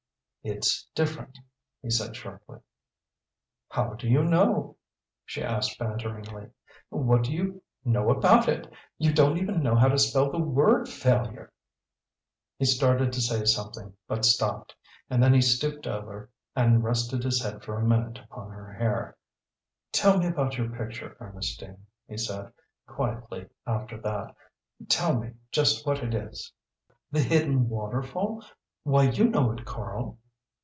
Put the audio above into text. "It's different," he said, shortly. "How do you know?" she asked banteringly. "What do you know about it? You don't even know how to spell the word failure!" He started to say something, but stopped, and then he stooped over and rested his head for a minute upon her hair. "Tell me about your picture, Ernestine," he said, quietly, after that. "Tell me just what it is." "The Hidden Waterfall? Why you know it, Karl."